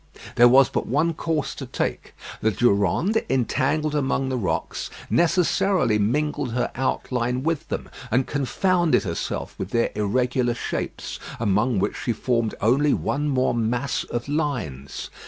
There was but one course to take. The Durande, entangled among the rocks, necessarily mingled her outline with them, and confounded herself with their irregular shapes, among which she formed only one more mass of lines.